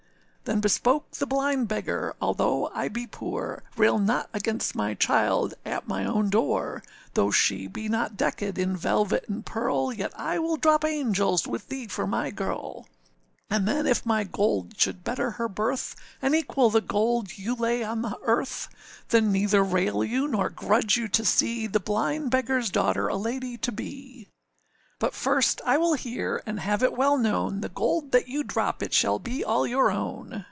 Then bespoke the blind beggar, âAlthough I be poor, Rail not against my child at my own door, Though she be not deckèd in velvet and pearl, Yet I will drop angels with thee for my girl; âAnd then if my gold should better her birth, And equal the gold you lay on the earth, Then neither rail you, nor grudge you to see The blind beggarâs daughter a lady to be. âBut first, I will hear, and have it well known, The gold that you drop it shall be all your own.